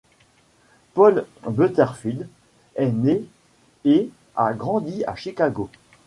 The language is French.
Paul Butterfield est né et a grandi à Chicago.